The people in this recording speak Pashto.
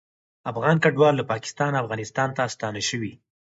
افغان کډوال له پاکستانه افغانستان ته ستانه شوي